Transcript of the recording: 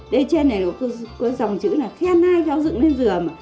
đây trên này có dòng chữ là khen hai cho dựng lên dừa